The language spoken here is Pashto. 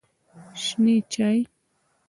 شنې چای